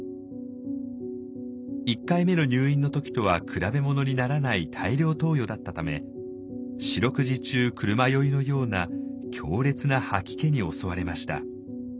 １回目の入院の時とは比べものにならない大量投与だったため四六時中車酔いのような強烈な吐き気に襲われました。